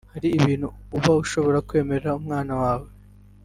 Hari ibintu uba ushobora kwemerera umwana wawe